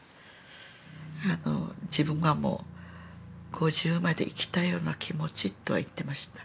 あの自分がもう５０まで生きたような気持ちとは言ってました。